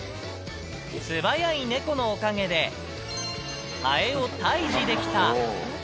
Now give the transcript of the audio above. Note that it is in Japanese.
素早い猫のおかげで、ハエを退治できた。